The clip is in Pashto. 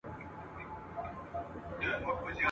سولاغه هره ورځ څاه ته نه لوېږي ..